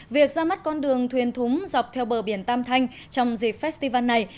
việc ra mắt con đường thuyền thúng dọc theo bờ biển tam thanh trong dịp festival này